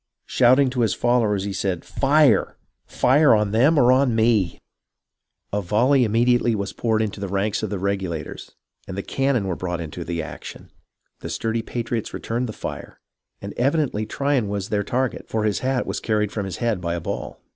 Shouting to his followers, he said, " Fire ! Fire on them or on me !" A volley immediately was poured into the ranks of the Regulators, and the cannon were brought into the action. The sturdy patriots returned the fire, and evidently Tryon was their target, for his hat was carried from his head by a ball.